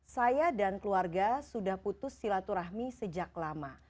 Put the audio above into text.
saya dan keluarga sudah putus silaturahmi sejak lama